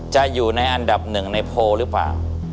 จะอยู่ในอันดับหนึ่งในโพลหรือเปล่า